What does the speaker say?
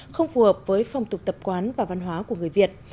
không phù hợp với phong tục tập quán và văn hóa của người việt